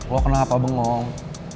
lo kenapa bengong